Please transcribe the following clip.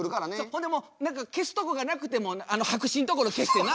ほんでもう消すとこがなくても白紙のところ消してな。